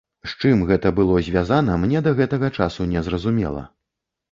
З чым гэта было звязана, мне да гэтага часу не зразумела.